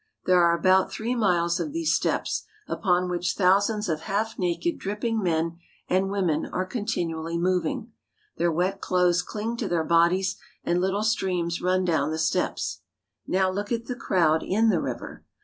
There are about three miles of these steps, upon which thousands of half naked, dripping men and women are continually moving. Their wet clothes cling to their bodies, and Uttle streams run down the steps. Now look at the crowd in the river.